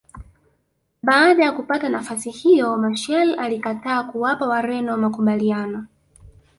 Baada ya kupata nafasi hiyo Machel alikataa kuwapa Wareno makubaliano